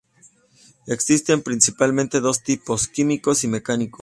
Existen principalmente dos tipos: químicos y mecánicos.